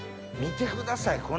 見てください